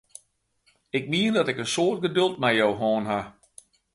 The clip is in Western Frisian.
Ik mien dat ik in soad geduld mei jo hân ha!